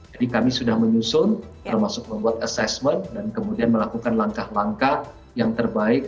jadi kami sudah menyusun termasuk membuat assessment dan kemudian melakukan langkah langkah yang terbaik